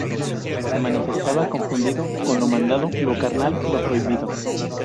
Se manifestaba confundido con lo mundano, lo carnal, lo prohibido.